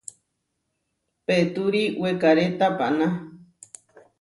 Peturi wekaré tapaná.